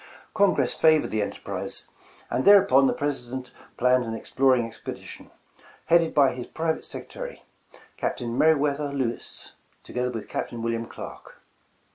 Congress favored the enterprise, and thereupon the President planned an exploring expedition, headed by his private secretary. Captain Meriwether Lewis, to gether with Captain William Clark.